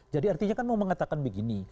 jadi artinya kan mau mengatakan begini